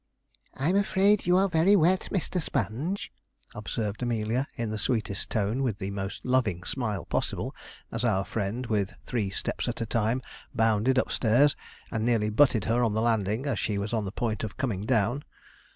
'I'm afraid you are very wet, Mr. Sponge,' observed Amelia in the sweetest tone, with the most loving smile possible, as our friend, with three steps at a time, bounded upstairs, and nearly butted her on the landing, as she was on the point of coming down.